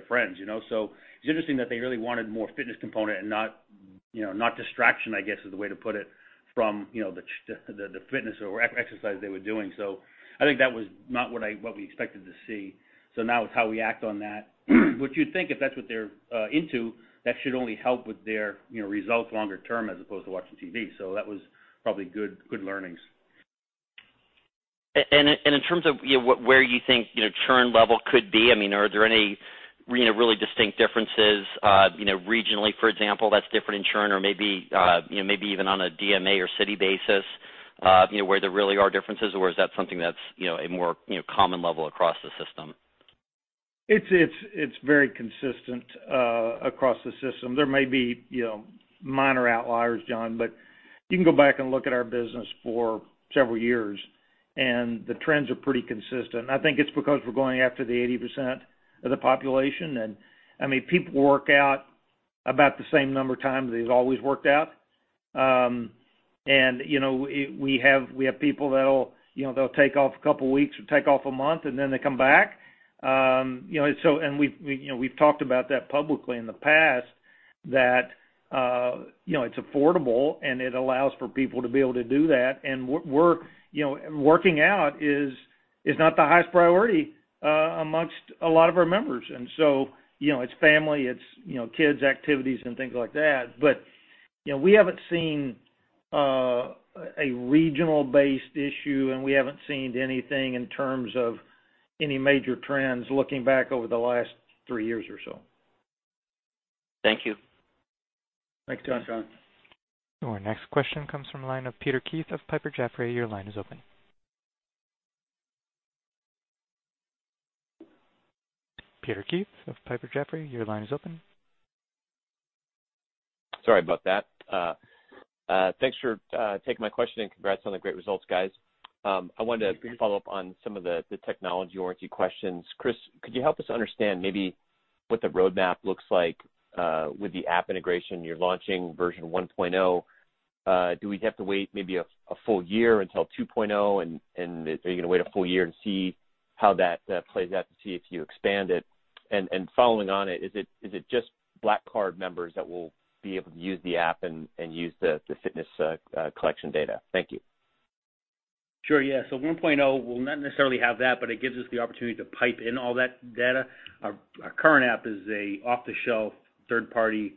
friends. It's interesting that they really wanted more fitness component and not distraction, I guess, is the way to put it, from the fitness or exercise they were doing. I think that was not what we expected to see. Now it's how we act on that. What you'd think, if that's what they're into, that should only help with their results longer term as opposed to watching TV. That was probably good learnings. In terms of where you think churn level could be, are there any really distinct differences regionally, for example, that's different in churn or maybe even on a DMA or city basis, where there really are differences, or is that something that's a more common level across the system? It's very consistent across the system. There may be minor outliers, John, you can go back and look at our business for several years, and the trends are pretty consistent. I think it's because we're going after the 80% of the population. People work out about the same number of times they've always worked out. We have people that'll take off a couple of weeks or take off a month, then they come back. We've talked about that publicly in the past, that it's affordable, it allows for people to be able to do that. Working out is not the highest priority amongst a lot of our members. It's family, it's kids activities and things like that. We haven't seen a regional-based issue, and we haven't seen anything in terms of any major trends looking back over the last three years or so. Thank you. Thanks, John. Our next question comes from the line of Peter Keith of Piper Jaffray. Your line is open. Peter Keith of Piper Jaffray, your line is open. Sorry about that. Thanks for taking my question and congrats on the great results, guys. I wanted to follow up on some of the technology warranty questions. Chris, could you help us understand maybe what the roadmap looks like with the app integration you're launching, version 1.0? Do we have to wait maybe a full year until 2.0, and are you going to wait a full year to see how that plays out, to see if you expand it? Following on it, is it just Black Card members that will be able to use the app and use the fitness collection data? Thank you. Sure. Yeah. 1.0 will not necessarily have that, but it gives us the opportunity to pipe in all that data. Our current app is an off-the-shelf third-party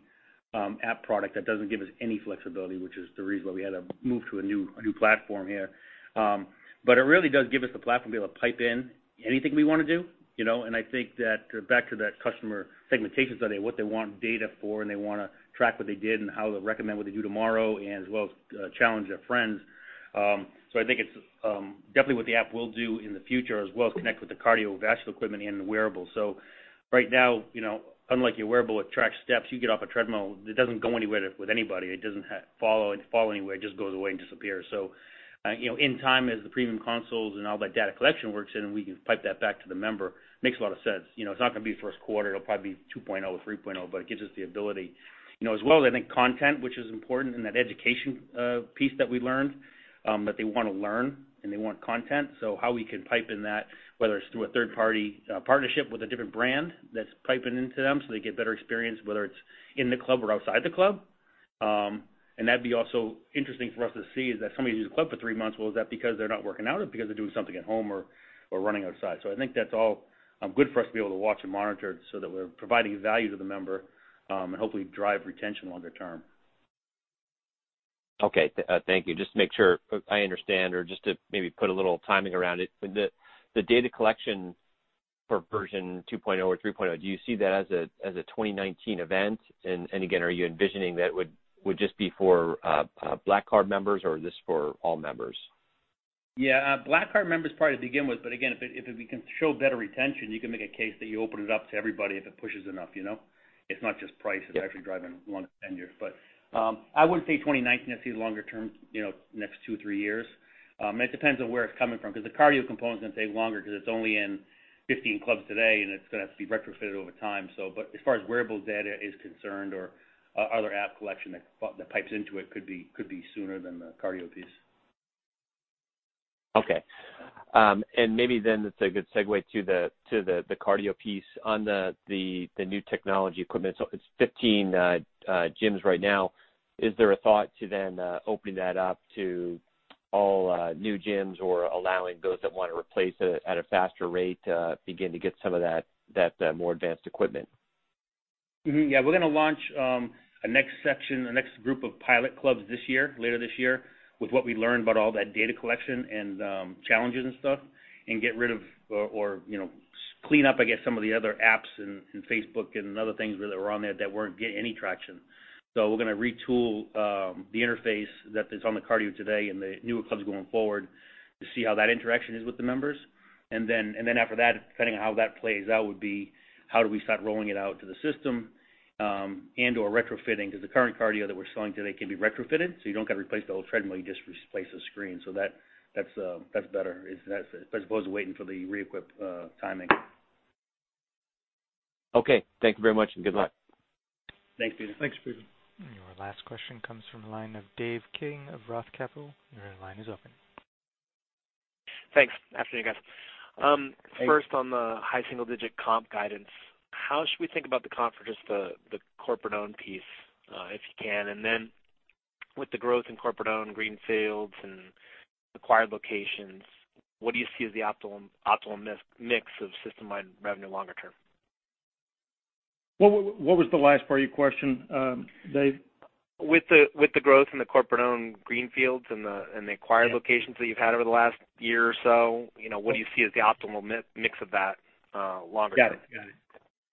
app product that doesn't give us any flexibility, which is the reason why we had to move to a new platform here. It really does give us the platform to be able to pipe in anything we want to do. I think that back to that customer segmentation study, what they want data for, and they want to track what they did and how to recommend what to do tomorrow as well as challenge their friends. I think it's definitely what the app will do in the future as well, connect with the cardiovascular equipment and the wearable. Right now, unlike your wearable, it tracks steps. You get off a treadmill, it doesn't go anywhere with anybody. It doesn't follow anywhere. It just goes away and disappears. In time, as the premium consoles and all that data collection works in, we can pipe that back to the member. Makes a lot of sense. It's not going to be the first quarter, it'll probably be 2.0 or 3.0, but it gives us the ability. As well as, I think, content, which is important, and that education piece that we learned, that they want to learn and they want content. How we can pipe in that, whether it's through a third-party partnership with a different brand that's piping into them so they get better experience, whether it's in the club or outside the club. That'd be also interesting for us to see is that somebody leaves the club for three months. Is that because they're not working out or because they're doing something at home or running outside? I think that's all good for us to be able to watch and monitor so that we're providing value to the member, and hopefully drive retention longer term. Okay. Thank you. Just to make sure I understand or just to maybe put a little timing around it. The data collection for version 2.0 or 3.0, do you see that as a 2019 event? Are you envisioning that would just be for Black Card members or is this for all members? Yeah. Black Card members probably to begin with, again, if we can show better retention, you can make a case that you open it up to everybody if it pushes enough. It's not just price that's actually driving long spenders. I wouldn't say 2019. I see longer term, next two, three years. It depends on where it's coming from, because the cardio component's going to take longer because it's only in 15 clubs today, and it's going to have to be retrofitted over time. As far as wearable data is concerned or other app collection that pipes into it, could be sooner than the cardio piece. Okay. Maybe then it's a good segue to the cardio piece. On the new technology equipment, it's 15 gyms right now. Is there a thought to then opening that up to all new gyms or allowing those that want to replace it at a faster rate to begin to get some of that more advanced equipment? Yeah, we're going to launch a next section, a next group of pilot clubs this year, later this year, with what we learned about all that data collection and challenges and stuff, and get rid of or clean up, I guess, some of the other apps and Facebook and other things that were on there that weren't getting any traction. We're going to retool the interface that's on the cardio today and the newer clubs going forward to see how that interaction is with the members. After that, depending on how that plays out, would be how do we start rolling it out to the system, and/or retrofitting, because the current cardio that we're selling today can be retrofitted. You don't got to replace the whole treadmill, you just replace the screen. That's better as opposed to waiting for the re-equip timing. Okay. Thank you very much, and good luck. Thanks, Peter. Thanks, Peter. Your last question comes from the line of Dave King of Roth Capital. Your line is open. Thanks. Afternoon, guys. Hey. First on the high single-digit comp guidance, how should we think about the comp for just the corporate-owned piece, if you can? Then with the growth in corporate-owned greenfields and acquired locations, what do you see as the optimum mix of system-wide revenue longer term? What was the last part of your question, Dave? With the growth in the corporate-owned greenfields and the acquired locations that you've had over the last year or so, what do you see as the optimal mix of that longer term?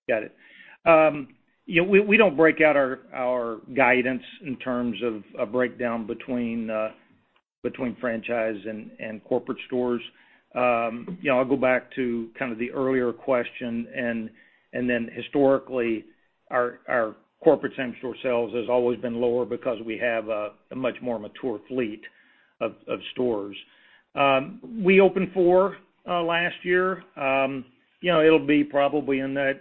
Got it. We don't break out our guidance in terms of a breakdown between franchise and corporate stores. I'll go back to kind of the earlier question. Historically, our corporate same-store sales has always been lower because we have a much more mature fleet of stores. We opened four last year. It'll be probably in that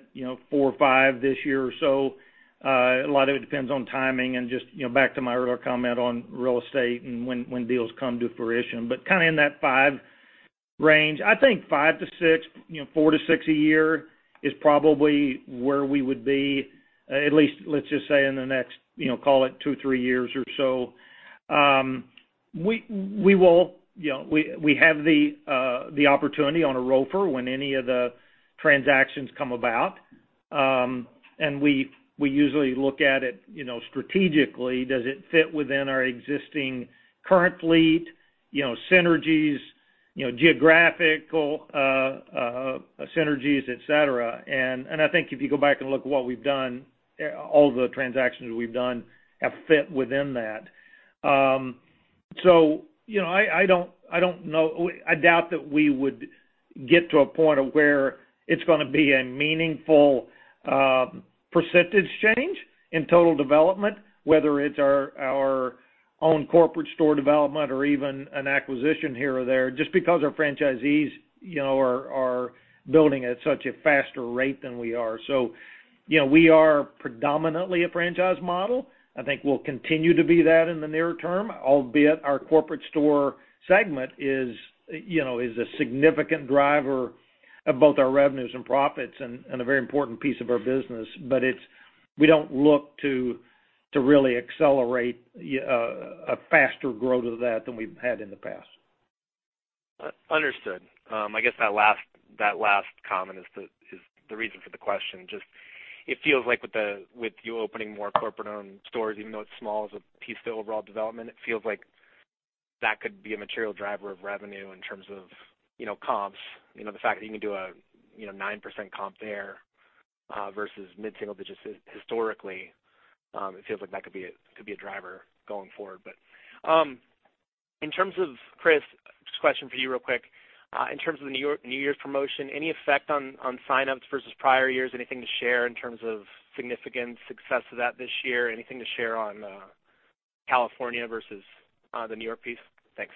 four or five this year or so. A lot of it depends on timing and just back to my earlier comment on real estate and when deals come to fruition. Kind of in that five range. I think five to six, four to six a year is probably where we would be, at least let's just say in the next, call it two, three years or so. We have the opportunity on a ROFR when any of the transactions come about. We usually look at it strategically. Does it fit within our existing current fleet, synergies, geographical synergies, et cetera. I think if you go back and look at what we've done, all the transactions we've done have fit within that. I doubt that we would get to a point of where it's going to be a meaningful percentage change in total development, whether it's our own corporate store development or even an acquisition here or there, just because our franchisees are building at such a faster rate than we are. We are predominantly a franchise model. I think we'll continue to be that in the near term, albeit our corporate store segment is a significant driver of both our revenues and profits and a very important piece of our business. We don't look to really accelerate a faster growth of that than we've had in the past. Understood. I guess that last comment is the reason for the question. Just, it feels like with you opening more corporate-owned stores, even though it's small as a piece of the overall development, it feels like that could be a material driver of revenue in terms of comps. The fact that you can do a 9% comp there, versus mid-single digits historically, it feels like that could be a driver going forward. Chris, just a question for you real quick. In terms of the New Year's promotion, any effect on sign-ups versus prior years? Anything to share in terms of significant success of that this year? Anything to share on California versus the New York piece? Thanks.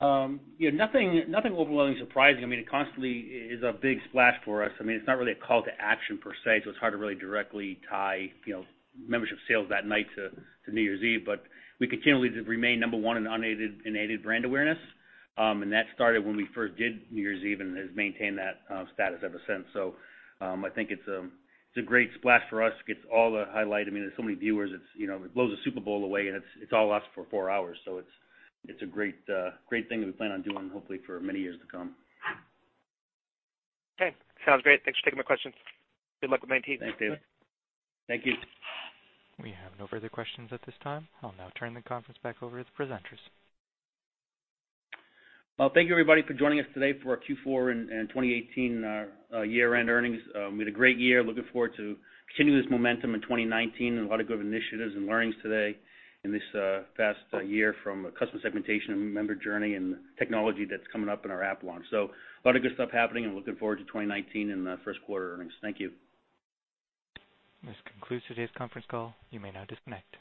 Nothing overwhelmingly surprising. It constantly is a big splash for us. It's not really a call to action per se, so it's hard to really directly tie membership sales that night to New Year's Eve. We continually remain number one in aided brand awareness. That started when we first did New Year's Eve and has maintained that status ever since. I think it's a great splash for us, gets all the highlight. There's so many viewers, it blows the Super Bowl away, and it's all us for four hours. It's a great thing that we plan on doing, hopefully for many years to come. Okay. Sounds great. Thanks for taking my questions. Good luck with 19. Thanks, David. Thank you. We have no further questions at this time. I'll now turn the conference back over to the presenters. Well, thank you everybody for joining us today for our Q4 and 2018 year-end earnings. We had a great year. Looking forward to continuing this momentum in 2019, and a lot of good initiatives and learnings today in this past year from a customer segmentation and member journey and technology that's coming up in our app launch. A lot of good stuff happening and looking forward to 2019 and the first quarter earnings. Thank you. This concludes today's conference call. You may now disconnect.